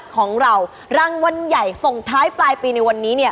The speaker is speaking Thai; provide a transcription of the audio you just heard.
ของเรารางวัลใหญ่ส่งท้ายปลายปีในวันนี้เนี่ย